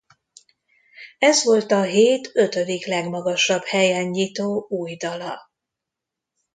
Ez volt a hét ötödik legmagasabb helyen nyitó új dala.